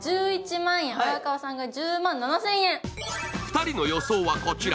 ２人の予想はこちら。